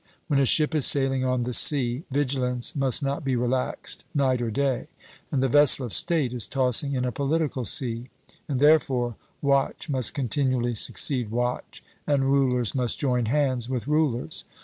When a ship is sailing on the sea, vigilance must not be relaxed night or day; and the vessel of state is tossing in a political sea, and therefore watch must continually succeed watch, and rulers must join hands with rulers.